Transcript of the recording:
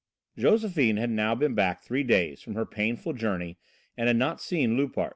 Josephine had now been back three days from her painful journey and had not seen Loupart.